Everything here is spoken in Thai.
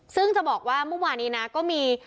ซึ่งจะบอกว่าเมื่อวานนี้นะก็มี